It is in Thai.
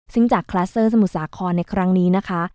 ซึ่งจากคลัสเตอร์สมุทรสาครในครั้งนี้นะคะ